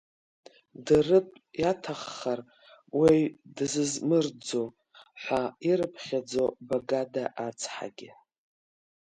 Дырып, иаҭаххар, уаҩ дзызмырӡо ҳәа ирыԥхьаӡо Багада ацҳагьы.